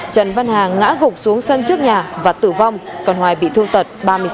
trần văn hà ngã gục xuống sân trước nhà và tử vong còn hoài bị thương tật ba mươi sáu